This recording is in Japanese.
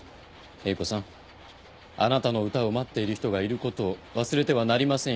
英子さんあなたの歌を待っている人がいることを忘れてはなりませんよ。